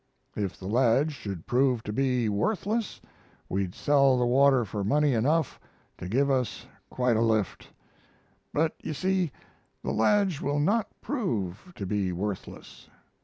If the ledge should prove to be worthless, we'd sell the water for money enough to give us quite a lift. But, you see, the ledge will not prove to be worthless.